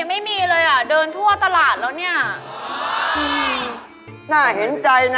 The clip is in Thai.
น้ำต้องสามแบบสามสไตล์